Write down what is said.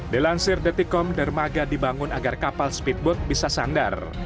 dilansir detikom dermaga dibangun agar kapal speedboat bisa sandar